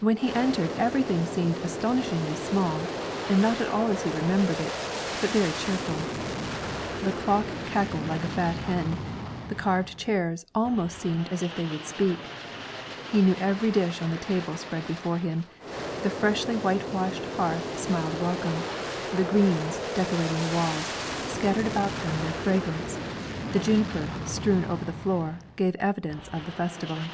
When he entered everything seemed astonishingly small, and not at all as he remembered it, but very cheerful. The clock cackled like a fat hen, the carved chairs almost seemed as if they would speak; he knew every dish on the table spread before him, the freshly white washed hearth smiled welcome; the greens, decorating the walls, scattered about them their fragrance, the juniper, strewn over the floor, gave evidence of the festival.